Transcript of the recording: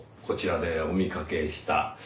こちらでお見かけした。